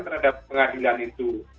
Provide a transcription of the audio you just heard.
terhadap pengadilan itu